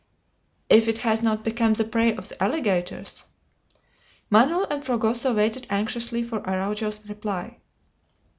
"If it has not become the prey of the alligators!" Manoel and Fragoso waited anxiously for Araujo's reply.